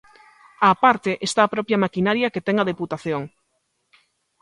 Á parte está a propia maquinaria que ten a Deputación.